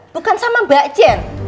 bukan sama mbak jen